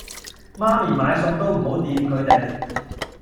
媽咪買餸都唔好掂佢哋